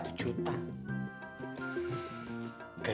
tuhan yang tulee